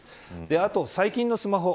あと、最近のスマホ